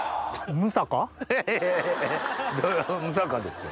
ムサカですよ。